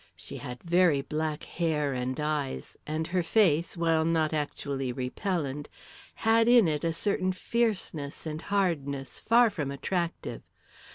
She had very black hair and eyes, and her face, while not actually repellent, had in it a certain fierceness and hardness far from attractive.